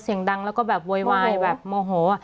เสียงดังแล้วก็แบบโวยวายแบบโมโห